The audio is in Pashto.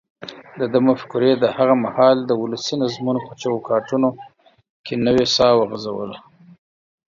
دده مفکورې د هغه مهال د ولسي نظمونو په چوکاټونو کې نوې ساه وغځوله.